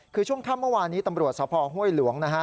คือช่วงค่ำเมื่อวานนี้ตำรวจสภห้วยหลวงนะฮะ